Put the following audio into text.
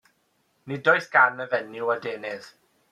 Nid oes gan y fenyw adenydd.